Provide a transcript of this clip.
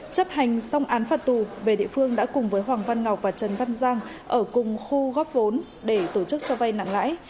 chấp hành xong án phạt tù về địa phương đã cùng với hoàng văn ngọc và trần văn giang ở cùng khu góp vốn để tổ chức cho vay nặng lãi